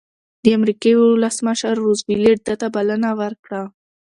د امریکې ولسمشر روز وېلټ ده ته بلنه ورکړه.